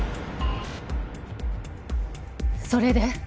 それで？